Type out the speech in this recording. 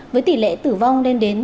với tỷ lệ tử vong lên đến bốn mươi sáu mươi